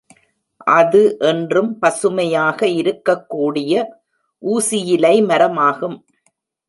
அது என்றும் பசுமையாக இருக்கக் கூடிய ஊசியிலை மரமாகும்.